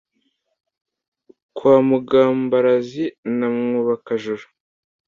kwa mugambarazi na mwubaka-juru,